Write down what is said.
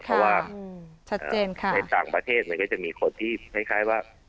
เพราะว่าชัดเจนค่ะในต่างประเทศมันก็จะมีคนที่คล้ายว่า